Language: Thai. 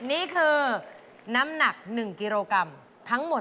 นี่คือน้ำหนัก๑กิโลกรัมทั้งหมด